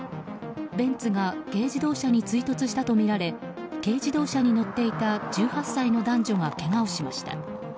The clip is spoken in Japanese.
ベンツが軽自動車に追突したとみられ軽自動車に乗っていた１８歳の男女がけがをしました。